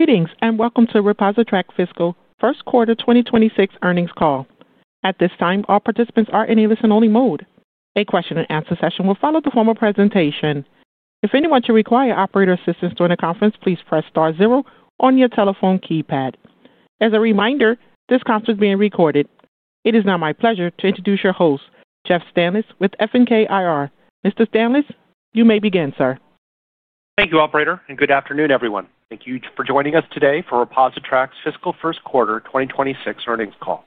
Greetings and Welcome to ReposiTrak Fiscal first quarter 2026 earnings call. At this time, all participants are in a listen-only mode. A question-and-answer session will follow the formal presentation. If anyone should require operator assistance during the conference, please press star zero on your telephone keypad. As a reminder, this conference is being recorded. It is now my pleasure to introduce your host, Jeff Stanlis, with FNK IR. Mr. Stanlis, you may begin, sir. Thank you, Operator, and good afternoon, everyone. Thank you for joining us today for ReposiTrak's Fiscal first quarter 2026 earnings call.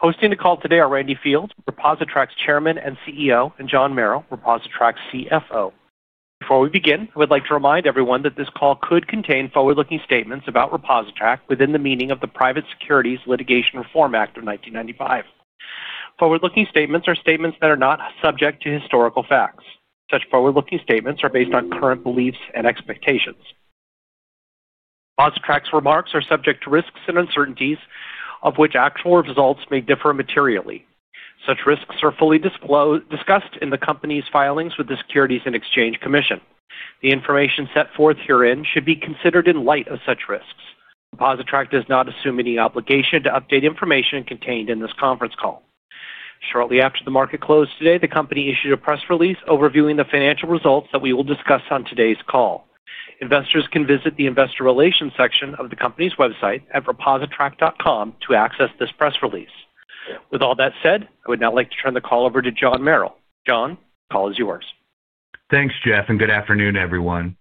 Hosting the call today are Randy Fields, ReposiTrak's Chairman and CEO, and John Merrill, ReposiTrak's CFO. Before we begin, I would like to remind everyone that this call could contain forward-looking statements about ReposiTrak within the meaning of the Private Securities Litigation Reform Act of 1995. Forward-looking statements are statements that are not subject to historical facts. Such forward-looking statements are based on current beliefs and expectations. ReposiTrak's remarks are subject to risks and uncertainties, of which actual results may differ materially. Such risks are fully discussed in the company's filings with the SEC. The information set forth herein should be considered in light of such risks. ReposiTrak does not assume any obligation to update information contained in this conference call. Shortly after the market closed today, the company issued a press release overviewing the financial results that we will discuss on today's call. Investors can visit the investor relations section of the company's website at repositrak.com to access this press release. With all that said, I would now like to turn the call over to John Merrill. John, the call is yours. Thanks, Jeff, and good afternoon, everyone.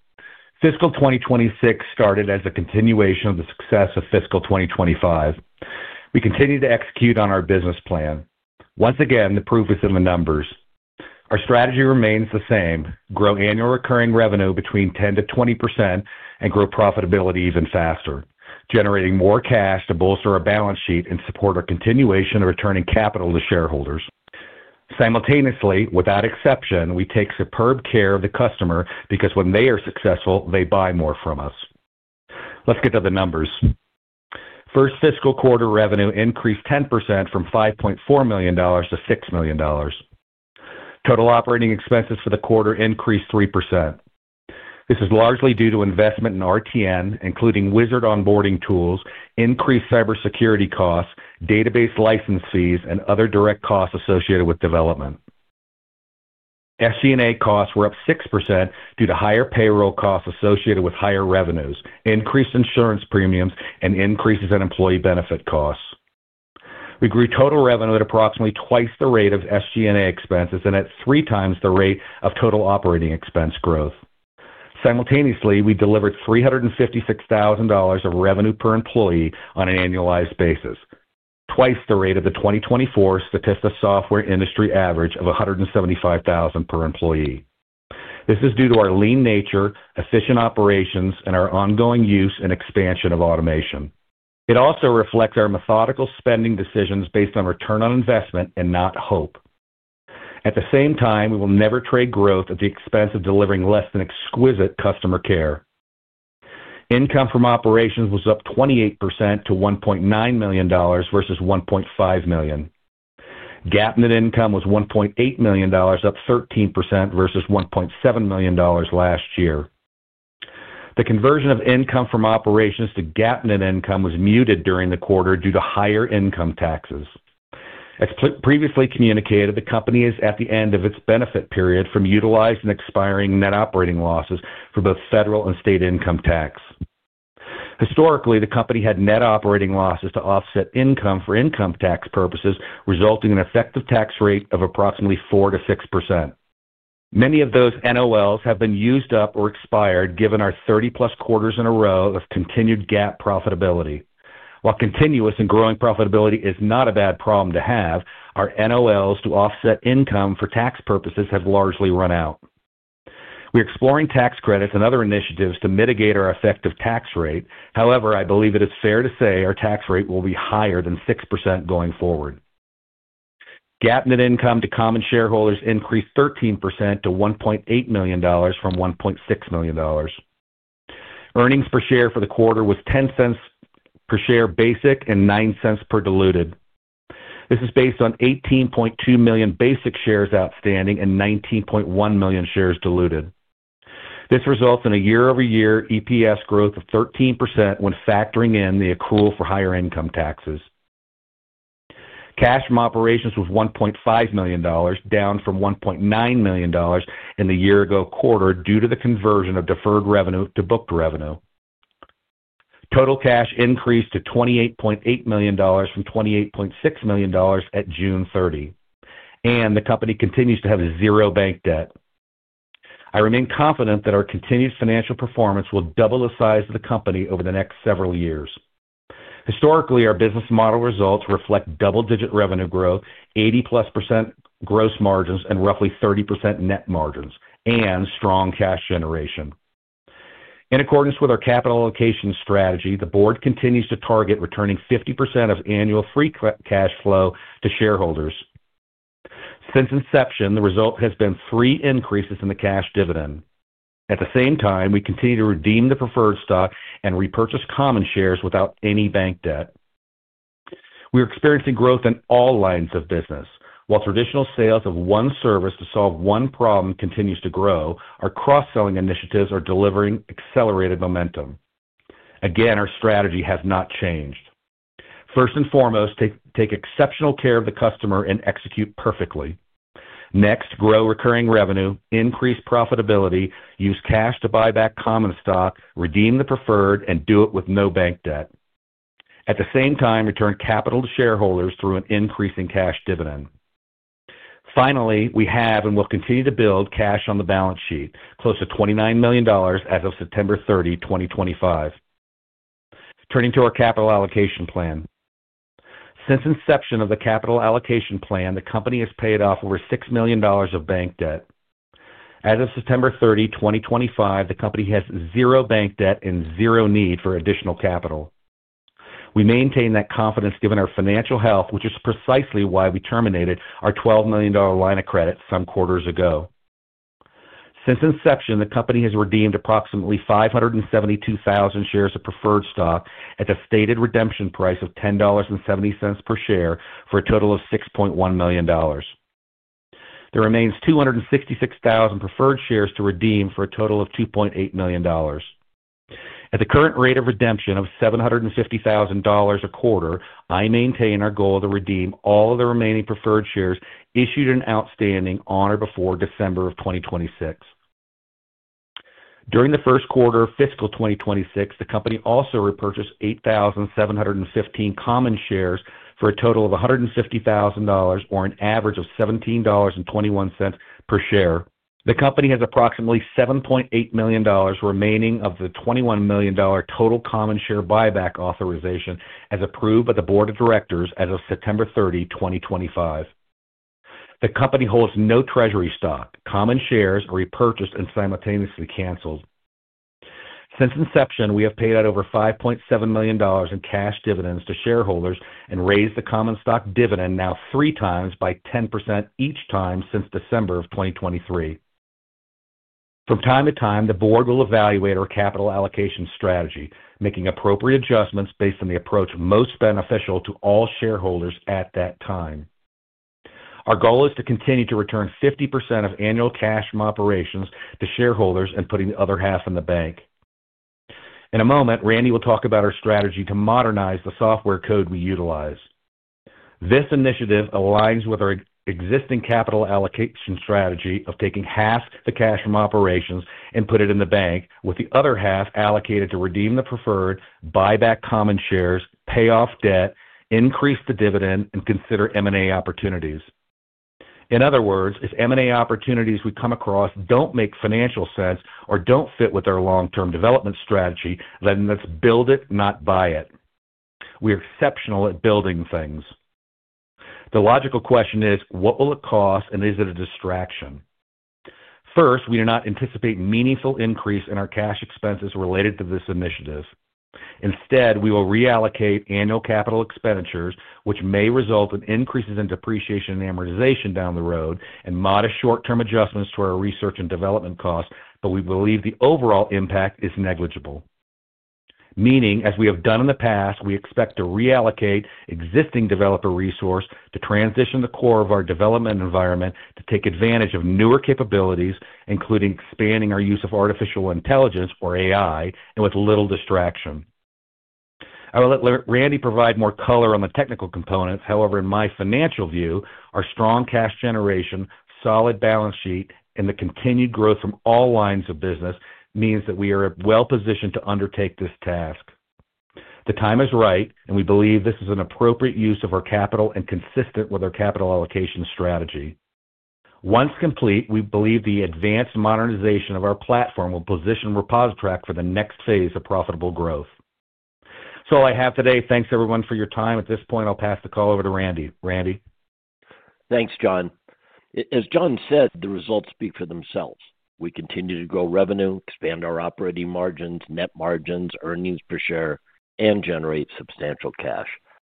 Fiscal 2026 started as a continuation of the success of Fiscal 2025. We continue to execute on our business plan. Once again, the proof is in the numbers. Our strategy remains the same: grow annual recurring revenue between 10%-20% and grow profitability even faster, generating more cash to bolster our balance sheet and support our continuation of returning capital to shareholders. Simultaneously, without exception, we take superb care of the customer because when they are successful, they buy more from us. Let's get to the numbers. First fiscal quarter revenue increased 10% from $5.4 million to $6 million. Total operating expenses for the quarter increased 3%. This is largely due to investment in RTN, including wizard onboarding tools, increased cybersecurity costs, database license fees, and other direct costs associated with development. SG&A costs were up 6% due to higher payroll costs associated with higher revenues, increased insurance premiums, and increases in employee benefit costs. We grew total revenue at approximately twice the rate of SG&A expenses and at three times the rate of total operating expense growth. Simultaneously, we delivered $356,000 of revenue per employee on an annualized basis, twice the rate of the 2024 Statista software industry average of $175,000 per employee. This is due to our lean nature, efficient operations, and our ongoing use and expansion of automation. It also reflects our methodical spending decisions based on return on investment and not hope. At the same time, we will never trade growth at the expense of delivering less than exquisite customer care. Income from operations was up 28% to $1.9 million versus $1.5 million. GAAP net income was $1.8 million, up 13% versus $1.7 million last year. The conversion of income from operations to GAAP net income was muted during the quarter due to higher income taxes. As previously communicated, the company is at the end of its benefit period from utilized and expiring net operating losses for both federal and state income tax. Historically, the company had net operating losses to offset income for income tax purposes, resulting in an effective tax rate of approximately 4-6%. Many of those NOLs have been used up or expired, given our 30+ quarters in a row of continued GAAP profitability. While continuous and growing profitability is not a bad problem to have, our NOLs to offset income for tax purposes have largely run out. We are exploring tax credits and other initiatives to mitigate our effective tax rate. However, I believe it is fair to say our tax rate will be higher than 6% going forward. GAAP net income to common shareholders increased 13% to $1.8 million from $1.6 million. Earnings per share for the quarter was $0.10 per share basic and $0.09 per diluted. This is based on 18.2 million basic shares outstanding and 19.1 million shares diluted. This results in a year-over-year EPS growth of 13% when factoring in the accrual for higher income taxes. Cash from operations was $1.5 million, down from $1.9 million in the year-ago quarter due to the conversion of deferred revenue to booked revenue. Total cash increased to $28.8 million from $28.6 million at June 30, and the company continues to have zero bank debt. I remain confident that our continued financial performance will double the size of the company over the next several years. Historically, our business model results reflect double-digit revenue growth, 80-plus % gross margins, and roughly 30% net margins, and strong cash generation. In accordance with our capital allocation strategy, the board continues to target returning 50% of annual free cash flow to shareholders. Since inception, the result has been three increases in the cash dividend. At the same time, we continue to redeem the preferred stock and repurchase common shares without any bank debt. We are experiencing growth in all lines of business. While traditional sales of one service to solve one problem continues to grow, our cross-selling initiatives are delivering accelerated momentum. Again, our strategy has not changed. First and foremost, take exceptional care of the customer and execute perfectly. Next, grow recurring revenue, increase profitability, use cash to buy back common stock, redeem the preferred, and do it with no bank debt. At the same time, return capital to shareholders through an increasing cash dividend. Finally, we have and will continue to build cash on the balance sheet, close to $29 million as of September 30, 2025. Turning to our capital allocation plan. Since inception of the capital allocation plan, the company has paid off over $6 million of bank debt. As of September 30, 2025, the company has zero bank debt and zero need for additional capital. We maintain that confidence given our financial health, which is precisely why we terminated our $12 million line of credit some quarters ago. Since inception, the company has redeemed approximately 572,000 shares of preferred stock at the stated redemption price of $10.70 per share for a total of $6.1 million. There remains 266,000 preferred shares to redeem for a total of $2.8 million. At the current rate of redemption of $750,000 a quarter, I maintain our goal to redeem all of the remaining preferred shares issued and outstanding on or before December of 2026. During the first quarter of fiscal 2026, the company also repurchased 8,715 common shares for a total of $150,000 or an average of $17.21 per share. The company has approximately $7.8 million remaining of the $21 million total common share buyback authorization as approved by the board of directors as of September 30, 2025. The company holds no treasury stock. Common shares are repurchased and simultaneously canceled. Since inception, we have paid out over $5.7 million in cash dividends to shareholders and raised the common stock dividend now three times by 10% each time since December of 2023. From time to time, the board will evaluate our capital allocation strategy, making appropriate adjustments based on the approach most beneficial to all shareholders at that time. Our goal is to continue to return 50% of annual cash from operations to shareholders and putting the other half in the bank. In a moment, Randy will talk about our strategy to modernize the software code we utilize. This initiative aligns with our existing capital allocation strategy of taking half the cash from operations and putting it in the bank, with the other half allocated to redeem the preferred, buy back common shares, pay off debt, increase the dividend, and consider M&A opportunities. In other words, if M&A opportunities we come across do not make financial sense or do not fit with our long-term development strategy, then let's build it, not buy it. We are exceptional at building things. The logical question is, what will it cost and is it a distraction? First, we do not anticipate meaningful increase in our cash expenses related to this initiative. Instead, we will reallocate annual capital expenditures, which may result in increases in depreciation and amortization down the road and modest short-term adjustments to our research and development costs, but we believe the overall impact is negligible. Meaning, as we have done in the past, we expect to reallocate existing developer resources to transition the core of our development environment to take advantage of newer capabilities, including expanding our use of artificial intelligence or AI, and with little distraction. I will let Randy provide more color on the technical components. However, in my financial view, our strong cash generation, solid balance sheet, and the continued growth from all lines of business means that we are well-positioned to undertake this task. The time is right, and we believe this is an appropriate use of our capital and consistent with our capital allocation strategy. Once complete, we believe the advanced modernization of our platform will position ReposiTrak for the next phase of profitable growth. That's all I have today. Thanks, everyone, for your time. At this point, I'll pass the call over to Randy. Randy. Thanks, John. As John said, the results speak for themselves. We continue to grow revenue, expand our operating margins, net margins, earnings per share, and generate substantial cash.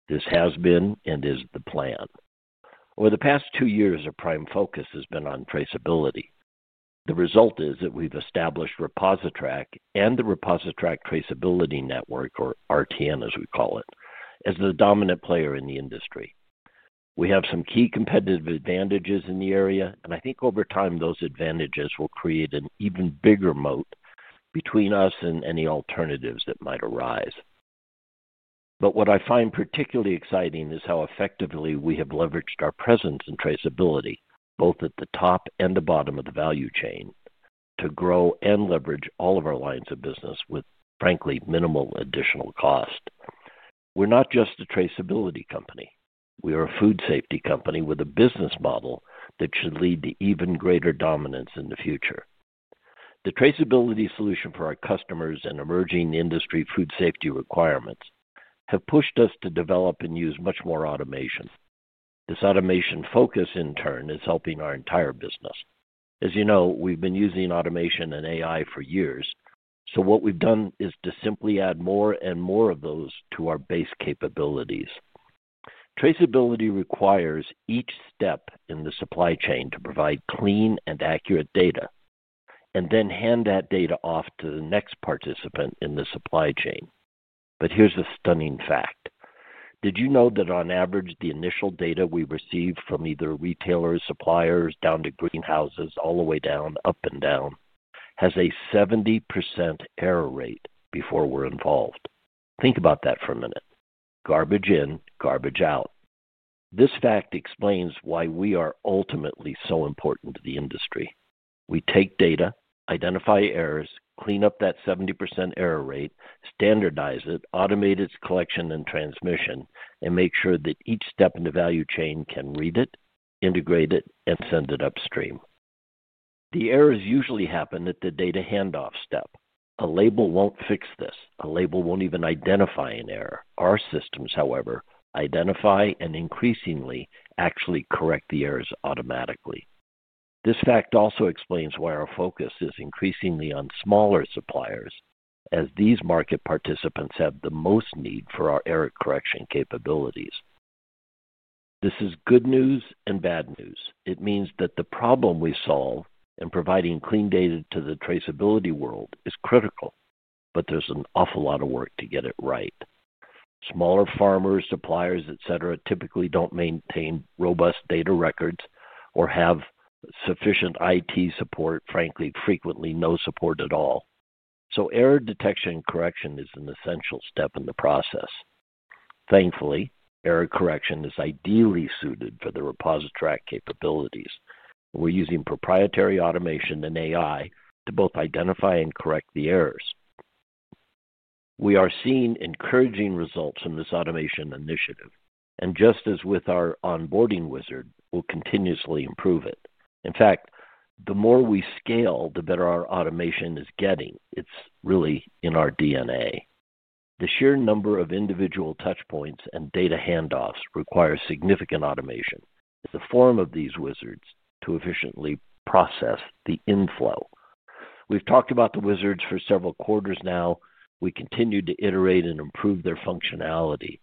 This has been and is the plan. Over the past two years, our prime focus has been on traceability. The result is that we've established ReposiTrak and the ReposiTrak Traceability Network, or RTN as we call it, as the dominant player in the industry. We have some key competitive advantages in the area, and I think over time those advantages will create an even bigger moat between us and any alternatives that might arise. What I find particularly exciting is how effectively we have leveraged our presence and traceability, both at the top and the bottom of the value chain, to grow and leverage all of our lines of business with, frankly, minimal additional cost. We're not just a traceability company. We are a food safety company with a business model that should lead to even greater dominance in the future. The traceability solution for our customers and emerging industry food safety requirements have pushed us to develop and use much more automation. This automation focus, in turn, is helping our entire business. As you know, we've been using automation and AI for years, so what we've done is to simply add more and more of those to our base capabilities. Traceability requires each step in the supply chain to provide clean and accurate data and then hand that data off to the next participant in the supply chain. Here's a stunning fact. Did you know that on average, the initial data we receive from either retailers, suppliers, down to greenhouses, all the way down, up and down, has a 70% error rate before we're involved? Think about that for a minute. Garbage in, garbage out. This fact explains why we are ultimately so important to the industry. We take data, identify errors, clean up that 70% error rate, standardize it, automate its collection and transmission, and make sure that each step in the value chain can read it, integrate it, and send it upstream. The errors usually happen at the data handoff step. A label won't fix this. A label won't even identify an error. Our systems, however, identify and increasingly actually correct the errors automatically. This fact also explains why our focus is increasingly on smaller suppliers, as these market participants have the most need for our error correction capabilities. This is good news and bad news. It means that the problem we solve in providing clean data to the traceability world is critical, but there's an awful lot of work to get it right. Smaller farmers, suppliers, et cetera, typically don't maintain robust data records or have sufficient IT support, frankly, frequently no support at all. So error detection and correction is an essential step in the process. Thankfully, error correction is ideally suited for the ReposiTrak capabilities. We're using proprietary automation and AI to both identify and correct the errors. We are seeing encouraging results from this automation initiative, and just as with our Onboarding Wizard, we'll continuously improve it. In fact, the more we scale, the better our automation is getting. It's really in our DNA. The sheer number of individual touchpoints and data handoffs requires significant automation as a form of these wizards to efficiently process the inflow. We've talked about the wizards for several quarters now. We continue to iterate and improve their functionality,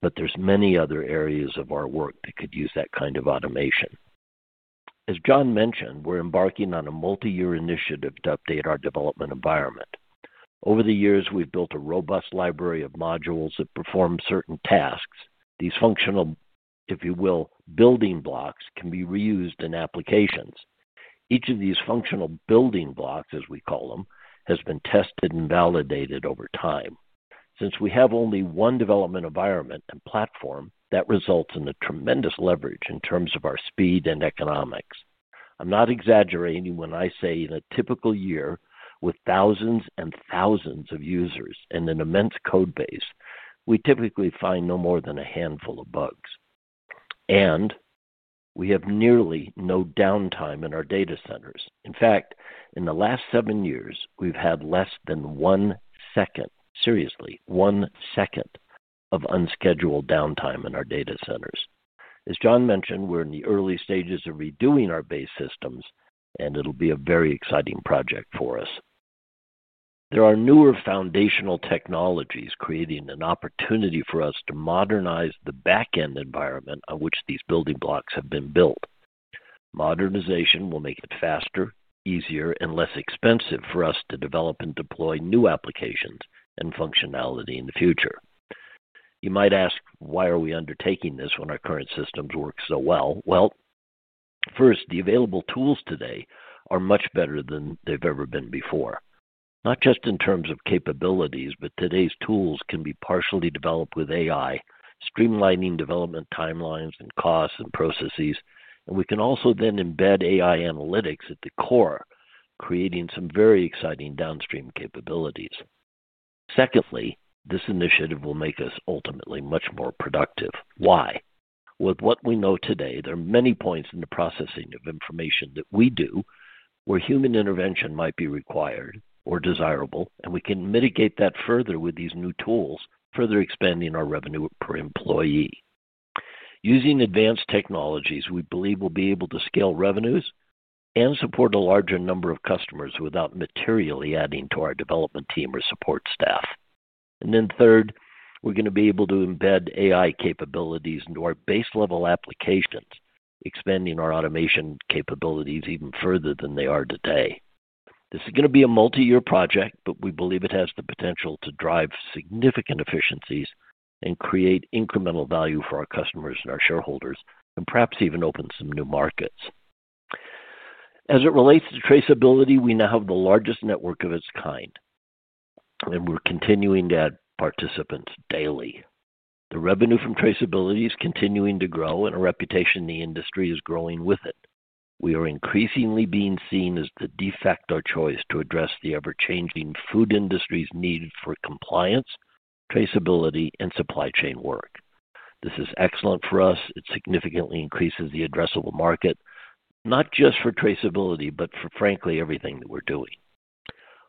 but there's many other areas of our work that could use that kind of automation. As John mentioned, we're embarking on a multi-year initiative to update our development environment. Over the years, we've built a robust library of modules that perform certain tasks. These functional, if you will, building blocks can be reused in applications. Each of these functional building blocks, as we call them, has been tested and validated over time. Since we have only one development environment and platform, that results in a tremendous leverage in terms of our speed and economics. I'm not exaggerating when I say in a typical year with thousands and thousands of users and an immense code base, we typically find no more than a handful of bugs. We have nearly no downtime in our data centers. In fact, in the last seven years, we've had less than one second, seriously, one second of unscheduled downtime in our data centers. As John mentioned, we're in the early stages of redoing our base systems, and it'll be a very exciting project for us. There are newer foundational technologies creating an opportunity for us to modernize the back-end environment on which these building blocks have been built. Modernization will make it faster, easier, and less expensive for us to develop and deploy new applications and functionality in the future. You might ask, why are we undertaking this when our current systems work so well? First, the available tools today are much better than they've ever been before. Not just in terms of capabilities, but today's tools can be partially developed with AI, streamlining development timelines and costs and processes, and we can also then embed AI analytics at the core, creating some very exciting downstream capabilities. Secondly, this initiative will make us ultimately much more productive. Why? With what we know today, there are many points in the processing of information that we do where human intervention might be required or desirable, and we can mitigate that further with these new tools, further expanding our revenue per employee. Using advanced technologies, we believe we'll be able to scale revenues and support a larger number of customers without materially adding to our development team or support staff. Third, we're going to be able to embed AI capabilities into our base-level applications, expanding our automation capabilities even further than they are today. This is going to be a multi-year project, but we believe it has the potential to drive significant efficiencies and create incremental value for our customers and our shareholders, and perhaps even open some new markets. As it relates to traceability, we now have the largest network of its kind, and we're continuing to add participants daily. The revenue from traceability is continuing to grow, and our reputation in the industry is growing with it. We are increasingly being seen as the de facto choice to address the ever-changing food industry's need for compliance, traceability, and supply chain work. This is excellent for us. It significantly increases the addressable market, not just for traceability, but for, frankly, everything that we're doing.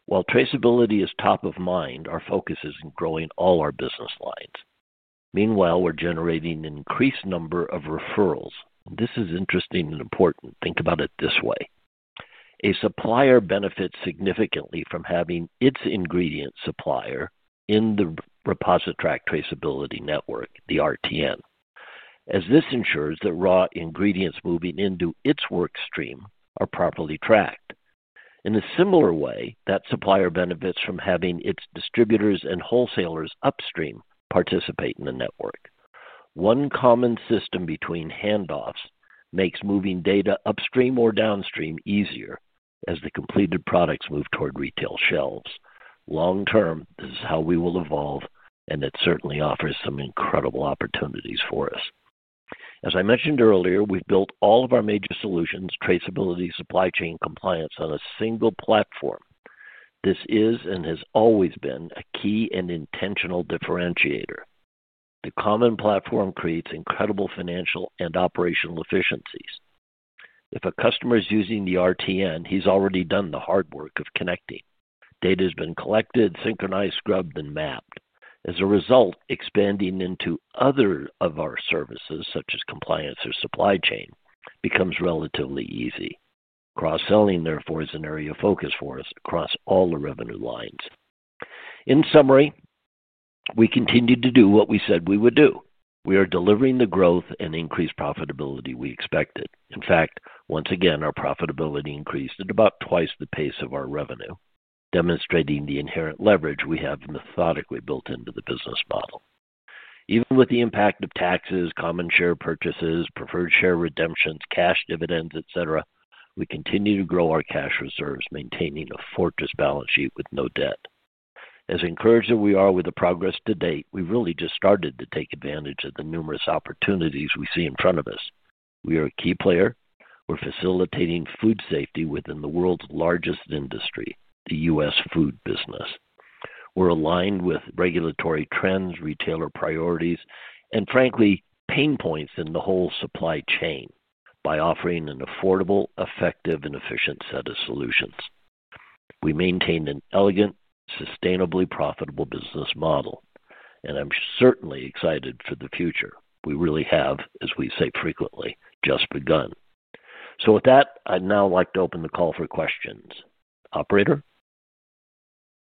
While traceability is top of mind, our focus is in growing all our business lines. Meanwhile, we're generating an increased number of referrals. This is interesting and important. Think about it this way. A supplier benefits significantly from having its ingredient supplier in the ReposiTrak Traceability Network, the RTN, as this ensures that raw ingredients moving into its workstream are properly tracked. In a similar way, that supplier benefits from having its distributors and wholesalers upstream participate in the network. One common system between handoffs makes moving data upstream or downstream easier as the completed products move toward retail shelves. Long term, this is how we will evolve, and it certainly offers some incredible opportunities for us. As I mentioned earlier, we've built all of our major solutions, traceability, supply chain compliance on a single platform. This is and has always been a key and intentional differentiator. The common platform creates incredible financial and operational efficiencies. If a customer is using the RTN, he's already done the hard work of connecting. Data has been collected, synchronized, scrubbed, and mapped. As a result, expanding into other of our services, such as compliance or supply chain, becomes relatively easy. Cross-selling, therefore, is an area of focus for us across all the revenue lines. In summary, we continue to do what we said we would do. We are delivering the growth and increased profitability we expected. In fact, once again, our profitability increased at about twice the pace of our revenue, demonstrating the inherent leverage we have methodically built into the business model. Even with the impact of taxes, common share purchases, preferred share redemptions, cash dividends, et cetera, we continue to grow our cash reserves, maintaining a fortress balance sheet with no debt. As encouraged as we are with the progress to date, we've really just started to take advantage of the numerous opportunities we see in front of us. We are a key player. We're facilitating food safety within the world's largest industry, the U.S. food business. We're aligned with regulatory trends, retailer priorities, and frankly, pain points in the whole supply chain by offering an affordable, effective, and efficient set of solutions. We maintain an elegant, sustainably profitable business model, and I'm certainly excited for the future. We really have, as we say frequently, just begun. With that, I'd now like to open the call for questions. Operator?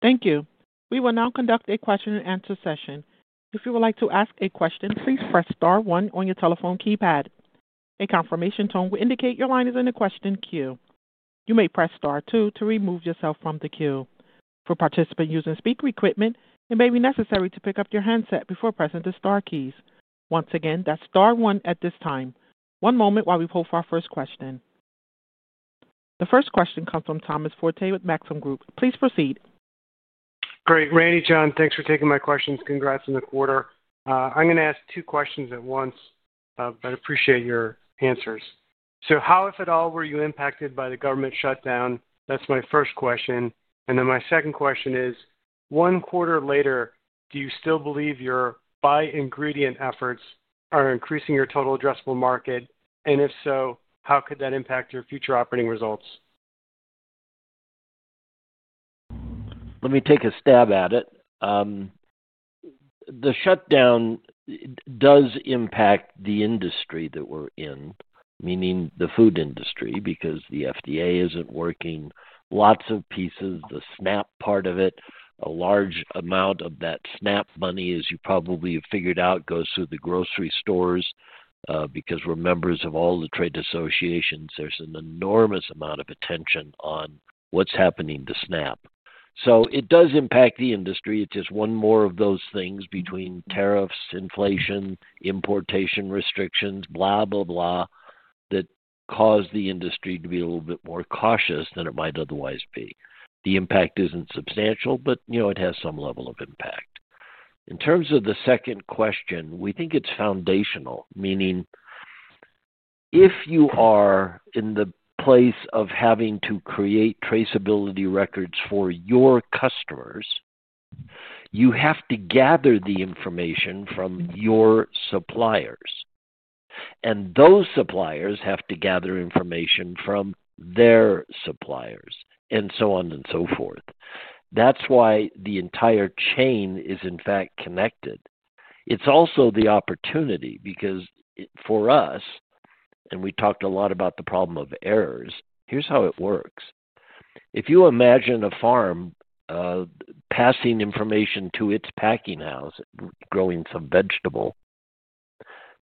Thank you. We will now conduct a question-and-answer session. If you would like to ask a question, please press star one on your telephone keypad. A confirmation tone will indicate your line is in a question queue. You may press star two to remove yourself from the queue. For participants using speaker equipment, it may be necessary to pick up your handset before pressing the star keys. Once again, that's star one at this time. One moment while we pull for our first question. The first question comes from Thomas Forte with Maxim Group. Please proceed. Great. Randy, John, thanks for taking my questions. Congrats on the quarter. I'm going to ask two questions at once, but I appreciate your answers. How, if at all, were you impacted by the government shutdown? That's my first question. My second question is, one quarter later, do you still believe your by-ingredient efforts are increasing your total addressable market? If so, how could that impact your future operating results? Let me take a stab at it. The shutdown does impact the industry that we're in, meaning the food industry, because the FDA isn't working. Lots of pieces, the SNAP part of it, a large amount of that SNAP money, as you probably have figured out, goes through the grocery stores because we're members of all the trade associations. There's an enormous amount of attention on what's happening to SNAP. It does impact the industry. It's just one more of those things between tariffs, inflation, importation restrictions, blah, blah, blah, that cause the industry to be a little bit more cautious than it might otherwise be. The impact isn't substantial, but it has some level of impact. In terms of the second question, we think it's foundational, meaning if you are in the place of having to create traceability records for your customers, you have to gather the information from your suppliers. Those suppliers have to gather information from their suppliers and so on and so forth. That's why the entire chain is, in fact, connected. It's also the opportunity because for us, and we talked a lot about the problem of errors, here's how it works. If you imagine a farm passing information to its packing house, growing some vegetable,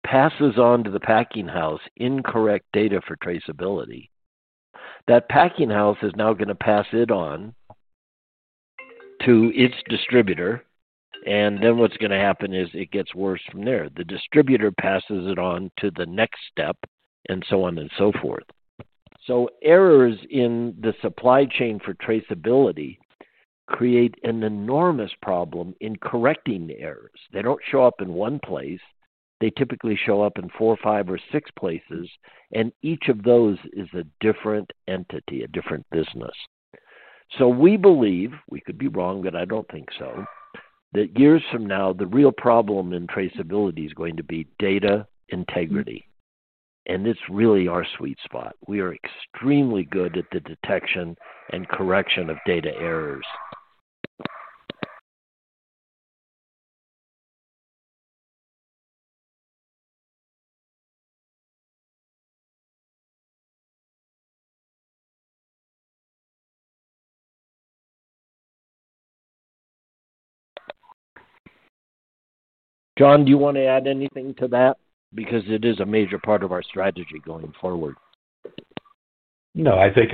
passes on to the packing house incorrect data for traceability, that packing house is now going to pass it on to its distributor. What's going to happen is it gets worse from there. The distributor passes it on to the next step and so on and so forth. Errors in the supply chain for traceability create an enormous problem in correcting the errors. They do not show up in one place. They typically show up in four, five, or six places, and each of those is a different entity, a different business. We believe, we could be wrong, but I do not think so, that years from now, the real problem in traceability is going to be data integrity. It is really our sweet spot. We are extremely good at the detection and correction of data errors. John, do you want to add anything to that? Because it is a major part of our strategy going forward. No, I think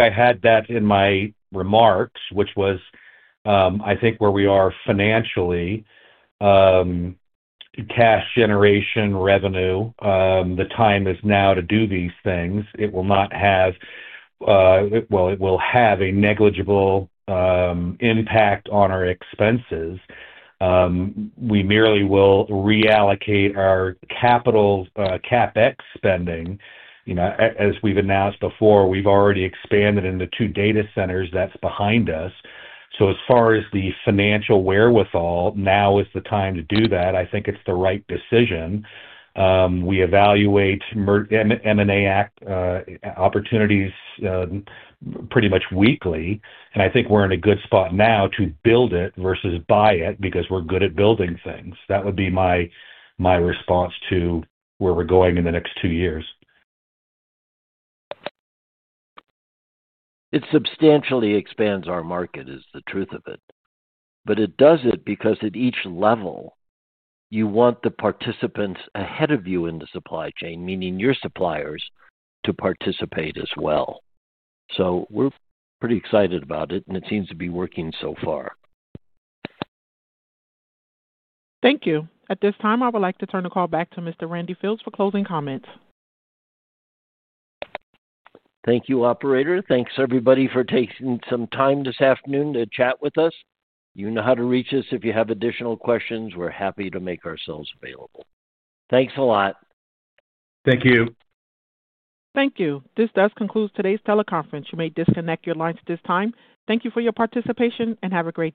I had that in my remarks, which was, I think, where we are financially, cash generation, revenue. The time is now to do these things. It will not have, well, it will have a negligible impact on our expenses. We merely will reallocate our capital CapEx spending. As we've announced before, we've already expanded into two data centers, that's behind us. As far as the financial wherewithal, now is the time to do that. I think it's the right decision. We evaluate M&A opportunities pretty much weekly. I think we're in a good spot now to build it versus buy it because we're good at building things. That would be my response to where we're going in the next two years. It substantially expands our market, is the truth of it. It does it because at each level, you want the participants ahead of you in the supply chain, meaning your suppliers, to participate as well. We are pretty excited about it, and it seems to be working so far. Thank you. At this time, I would like to turn the call back to Mr. Randy Fields for closing comments. Thank you, Operator. Thanks, everybody, for taking some time this afternoon to chat with us. You know how to reach us if you have additional questions. We're happy to make ourselves available. Thanks a lot. Thank you. Thank you. This does conclude today's teleconference. You may disconnect your lines at this time. Thank you for your participation and have a great day.